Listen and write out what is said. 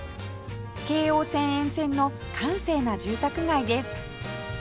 京王線沿線の閑静な住宅街です